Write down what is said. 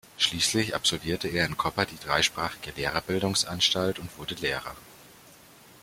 Schließlich absolvierte er in Koper die dreisprachige Lehrerbildungsanstalt und wurde Lehrer.